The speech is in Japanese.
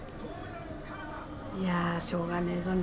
いやしょうがねえけどね。